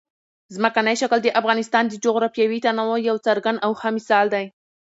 ځمکنی شکل د افغانستان د جغرافیوي تنوع یو څرګند او ښه مثال دی.